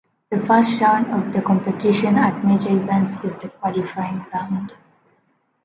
The first round of the competition at major events is the qualifying round.